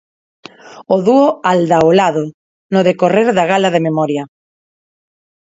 O dúo Aldaolado, no decorrer da Gala da Memoria.